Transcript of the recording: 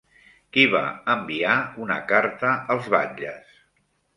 Qui va enviar una carta als batlles?